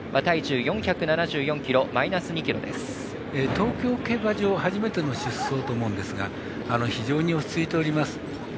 東京競馬場初めての出走と思うんですが非常に落ち着いています。